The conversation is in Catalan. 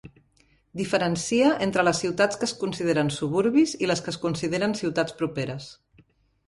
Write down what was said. Diferencia entre les ciutats que es consideren suburbis i les que es consideren ciutats properes.